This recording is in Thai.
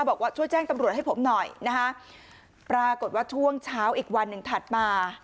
บอกว่าช่วยแจ้งตำรวจให้ผมหน่อยนะคะปรากฏว่าช่วงเช้าอีกวันหนึ่งถัดมา